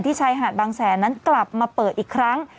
ชายหาดบางแสนนั้นกลับมาเปิดอีกครั้ง